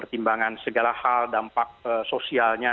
ketimbangan segala hal dampak sosialnya